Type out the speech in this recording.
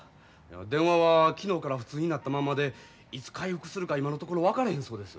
電話は昨日から不通になったまんまでいつ回復するか今のところ分からへんそうです。